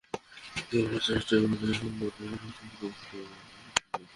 কিন্তু আমরা চেষ্টা করি এবং পরস্পর ফোনে খুদে বার্তা পাঠিয়ে পুষিয়ে দিই।